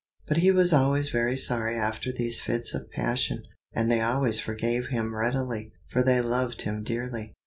But he was always very sorry after these fits of passion, and they always forgave him readily, for they loved him dearly.